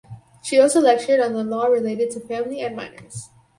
She also lectured on the law relating to the family and minors.